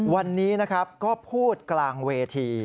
วันนี้นะครับก็พูดกลางเวที